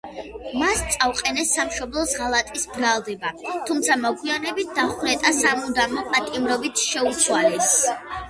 მას წაუყენეს სამშობლოს ღალატის ბრალდება, თუმცა მოგვიანებით დახვრეტა სამუდამო პატიმრობით შეუცვალეს.